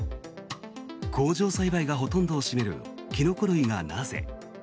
工場栽培がほとんどを占めるキノコ類がなぜ？